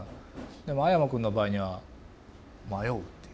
でも阿山くんの場合には迷うっていう。